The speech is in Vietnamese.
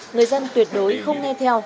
người dân tuyệt đối không nghe theo